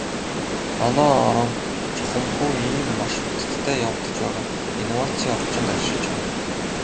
Манай орон чухамхүү ийм маш хурдацтай явагдаж байгаа инновацийн орчинд оршиж байна.